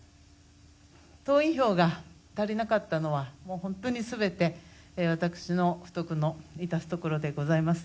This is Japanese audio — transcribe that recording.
党員票が足りなかったのはもう本当に全て、私の不徳のいたすところでございます。